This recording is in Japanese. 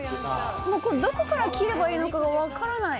どこから切ればいいのか分からない。